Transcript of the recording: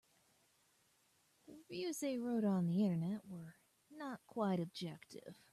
The reviews they wrote on the Internet were not quite objective.